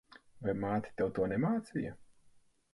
Vai māte tev to nemācīja?